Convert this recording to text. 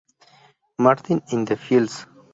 Martin in the Fields.